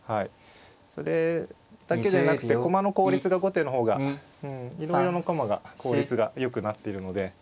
それだけでなくて駒の効率が後手の方がいろいろな駒が効率がよくなっているので。